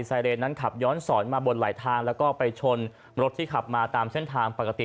ไซเรนนั้นขับย้อนสอนมาบนหลายทางแล้วก็ไปชนรถที่ขับมาตามเส้นทางปกติ